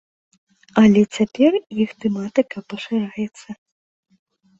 Але цяпер іх тэматыка пашыраецца.